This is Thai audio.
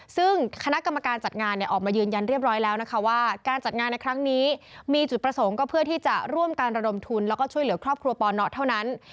ซึ่งคณะกรรมการจัดงานออกมายืนยันเรียบร้อยแล้วนะคะว่าการจัดงานในครั้งนี้มีจุดประสงค์ก็เพื่อที่จะร่วมการระดมทุนแล้วก็ช่วยเหลือครอบครัวปนเท่านั้น